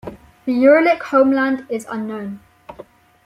The Uralic homeland is unknown.